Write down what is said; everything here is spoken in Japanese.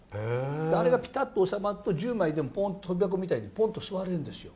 あれがぴたっと収まると、１０枚でもぽんと跳び箱みたいに、座れるんですよ。